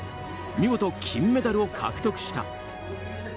見事、金メダルを獲得した。